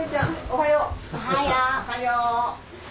おはよう。